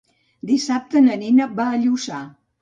Dissabte na Nina va a Lluçà.